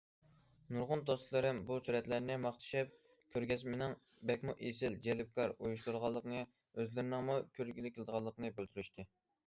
نۇرغۇن دوستلىرىم بۇ سۈرەتلەرنى ماختىشىپ، كۆرگەزمىنىڭ بەكمۇ ئېسىل، جەلپكار ئۇيۇشتۇرۇلغانلىقىنى، ئۆزلىرىنىڭمۇ كۆرگىلى كېلىدىغانلىقىنى بىلدۈرۈشتى.